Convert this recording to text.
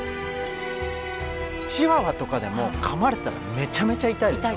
チワワとかでもかまれたらめちゃめちゃ痛いでしょ。